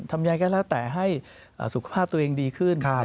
ในการแล้วแต่ให้สุขภาพตัวเองดีขึ้น